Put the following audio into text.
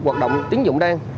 hoạt động tín dụng đen